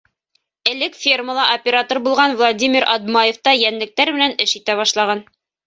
Элек фермала оператор булған Владимир Адмаев та йәнлектәр менән эш итә башлаған.